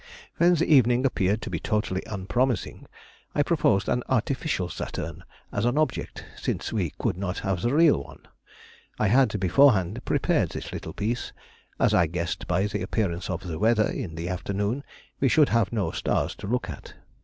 When the evening appeared to be totally unpromising, I proposed an artificial Saturn as an object, since we could not have the real one. I had beforehand prepared this little piece, as I guessed by the appearance of the weather in the afternoon we should have no stars to look at.